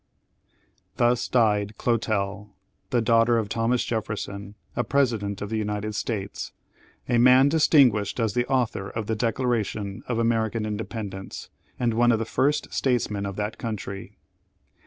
Thus died Clotel, the daughter of Thomas Jefferson, a president of the United States; a man distinguished as the author of the Declaration of American Independence, and one of the first statesmen of that country.